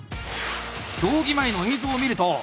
競技前の映像を見ると。